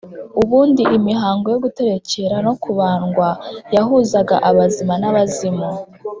ubundi imihango yo guterekera no kubandwa yahuzaga abazima n'abazimu